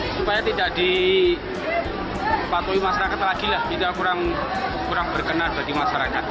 supaya tidak dipatuhi masyarakat lagi lah tidak kurang berkenan bagi masyarakat